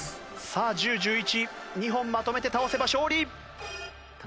さあ１０・１１２本まとめて倒せば勝利。